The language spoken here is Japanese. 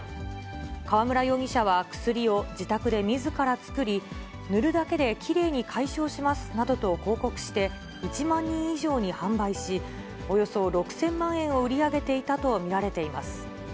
河邨容疑者は薬を自宅でみずからつくり、塗るだけできれいに解消しますなどと広告して、１万人以上に販売し、およそ６０００万円を売り上げていたと見られています。